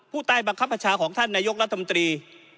ผู้ใต้บังคับประชาของท่านนายกรัฐมนตรี